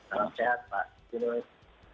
salam sehat pak yusinus